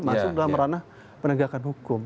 masuk dalam ranah penegakan hukum